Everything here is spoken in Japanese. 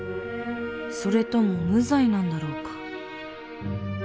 それとも無罪なんだろうか。